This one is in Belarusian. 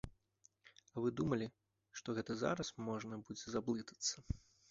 А вы думалі, што гэта зараз можна будзе заблытацца?